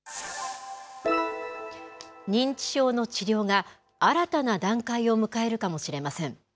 認知症の治療が、新たな段階を迎えるかもしれません。